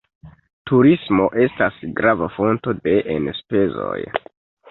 Turismo estas grava fonto de enspezoj.